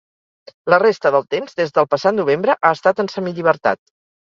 La resta del temps, des del passat novembre ha estat en semillibertat.